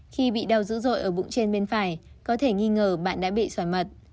khi bị đau dữ dội ở bụng trên bên phải có thể nghi ngờ bạn đã bị xoài mật